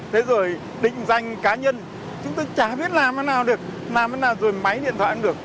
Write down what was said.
thành cá nhân chúng tôi chả biết làm thế nào được làm thế nào rồi máy điện thoại cũng được